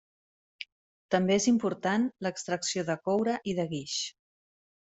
També és important l'extracció de coure i de guix.